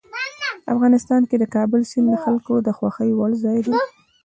افغانستان کې د کابل سیند د خلکو د خوښې وړ ځای دی.